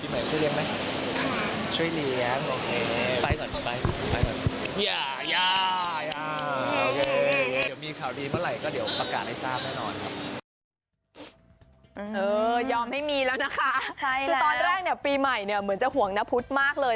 เมื่อกี้ตอนแรกปีใหม่เหมือนจะหวงน้าพุทธมากเลย